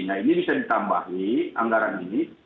nah ini bisa ditambahi anggaran ini